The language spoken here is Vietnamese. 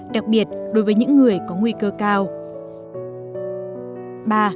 đặc biệt đối với những người có bệnh